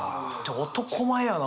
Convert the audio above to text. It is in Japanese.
男前やな